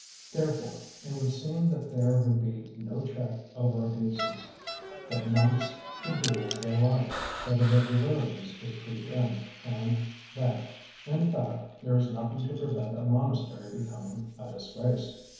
Therefore, it would seem that there would be no check over abuses, that monks could do as they liked, that irregularities could creep in, and that, in fact, there is nothing to prevent a monastery becoming a disgrace.